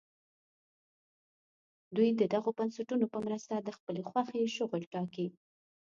دوی د دغو بنسټونو په مرسته د خپلې خوښې شغل ټاکي.